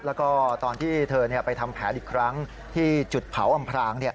แล้วก็ตอนที่เธอไปทำแผนอีกครั้งที่จุดเผาอำพราง